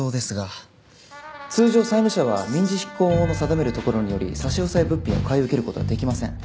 通常債務者は民事執行法の定めるところにより差し押さえ物品を買い受ける事はできません。